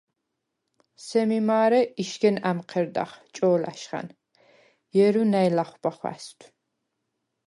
სემი მა̄რე იშგენ ა̈მჴერდახ ჭო̄ლა̈შხა̈ნ, ჲერუ ნა̈ჲ ლახვბა ხვა̈სვდ.